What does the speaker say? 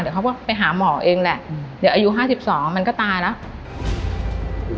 เดี๋ยวเขาก็ไปหาหมอเองแหละอืมเดี๋ยวอายุห้าสิบสองมันก็ตายแล้ว